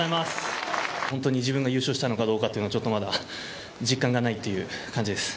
本当に自分が優勝したのかどうかというのはまだ実感がないっていう感じです。